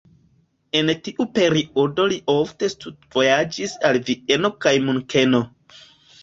En tiu periodo li ofte studvojaĝis al Vieno kaj Munkeno.